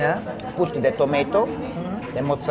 tapi pembunuhnya tidak bisa menghormati margherita